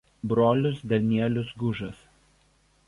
Brolis Danielius Gužas.